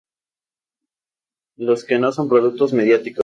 los que no son productos mediáticos